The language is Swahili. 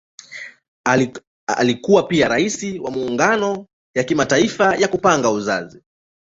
Alikuwa pia Rais wa Muungano ya Kimataifa ya Kupanga Uzazi.